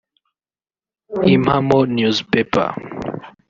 Impamo newspaper